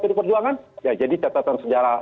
pdi perjuangan ya jadi catatan sejarah